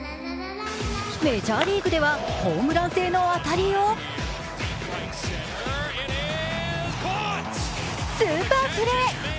メジャーリーグではホームラン性の当たりをスーパープレー！